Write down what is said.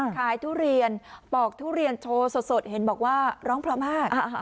ขายทุเรียนปอกทุเรียนโชว์สดสดเห็นบอกว่าร้องพร้อมมากอ่า